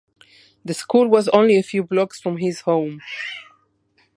The school was only a few blocks from his home.